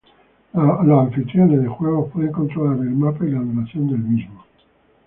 Los anfitriones de juegos pueden controlar el mapa y la duración del juego.